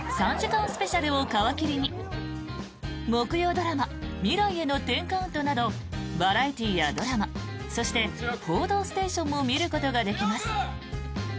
３時間ＳＰ」を皮切りに木曜ドラマ「未来への１０カウント」などバラエティーやドラマそして「報道ステーション」も見ることができます。